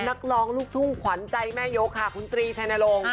นักร้องลูกทุ่งขวัญใจแม่ยกค่ะคุณตรีชัยนรงค์